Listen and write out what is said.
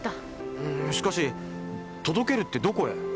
うんしかし届けるってどこへ？